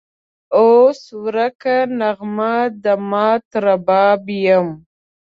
اوس ورکه نغمه د مات رباب یمه